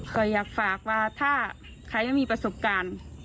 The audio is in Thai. ก็อยากฝากว่าถ้าใครไม่มีประสบการณ์